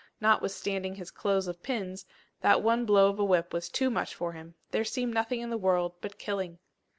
notwithstanding his clothes of pins, that one blow of a whip was too much for him! There seemed nothing in the world but killing!